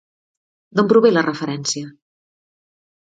D'on prové la referència?